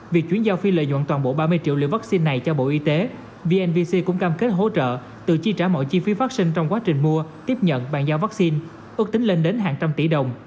việc chuyển giao phi lợi nhuận toàn bộ ba mươi triệu liều vaccine này cho bộ y tế vnvc cũng cam kết hỗ trợ từ chi trả mọi chi phí phát sinh trong quá trình mua tiếp nhận bàn giao vaccine ước tính lên đến hàng trăm tỷ đồng